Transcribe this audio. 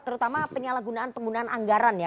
terutama penyalahgunaan penggunaan anggaran ya